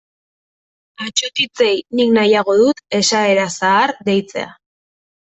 Atsotitzei nik nahiago dut esaera zahar deitzea.